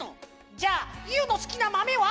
じゃあユーのすきなまめは？